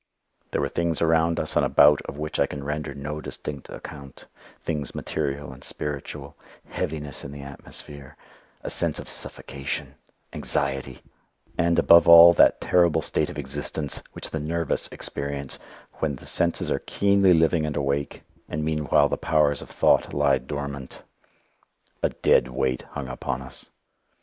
There were things around us and about of which I can render no distinct account things material and spiritual heaviness in the atmosphere a sense of suffocation anxiety and, above all, that terrible state of existence which the nervous experience when the senses are keenly living and awake, and meanwhile the powers of thought lie dormant. A dead weight hung upon us.